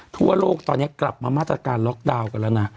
ทั่วโลกตอนนี้กลับมามาตรการล็อกดาวน์กันแล้วนะ